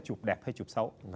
chụp đẹp hay chụp xấu